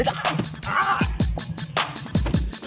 ขอบคุณครับ